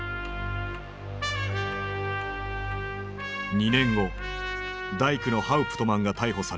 ２年後大工のハウプトマンが逮捕される。